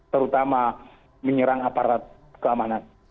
terutama menyerang aparat keamanan